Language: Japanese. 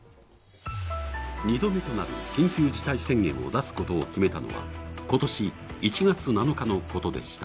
２度目となる緊急事態宣言を出すことを決めたのは今年１月７日のことでした。